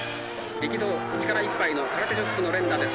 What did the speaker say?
力道力いっぱいの空手チョップの連打です。